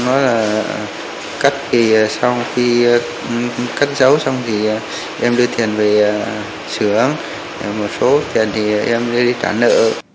nó là cắt thì xong cắt giấu xong thì em đưa tiền về sửa một số tiền thì em đưa đi trả nợ